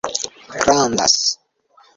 grandas